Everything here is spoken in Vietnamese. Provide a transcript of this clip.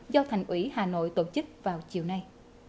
do thành ủy hà nội tổ chức vào chiều nay